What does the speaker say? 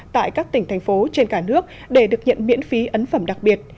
tại các tỉnh thành phố trên cả nước để được nhận miễn phí ấn phẩm đặc biệt